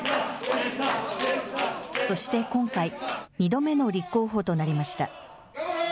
そして今回、２度目の立候補となりました。